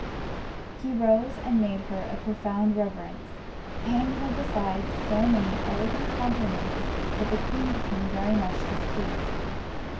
He rose, and made her a profound reverence, paying her besides so many elegant compliments, that the queen became very much displeased.